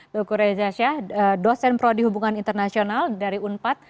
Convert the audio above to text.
doku reza shah dosen pro di hubungan internasional dari unpad